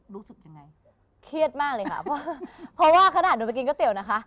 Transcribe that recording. รู้สึกยังไงเครียดมากเลยค่ะเพราะว่าขนาดหนูไปกินก๋วเตี๋ยนะคะ